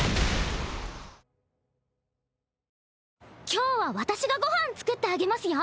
今日は私がご飯作ってあげますよ。